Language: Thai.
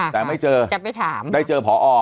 แต่ไม่เจอได้เจอผอ